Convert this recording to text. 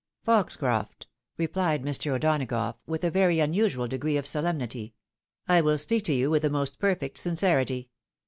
" Foxcroft !" replied Mr. O'Donagough, with a very unusual degree of solemnity, " I will speak to you with the most perfect sincerity.